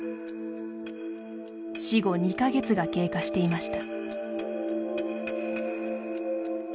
死後２か月が経過していました。